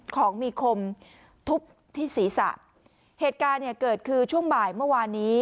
ของมีคมทุบที่ศีรษะเหตุการณ์เนี่ยเกิดคือช่วงบ่ายเมื่อวานนี้